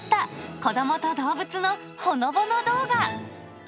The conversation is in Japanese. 子どもと動物のほのぼの動画。